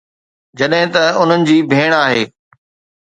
جڏهن ته انهن جي ڀيڻ آهي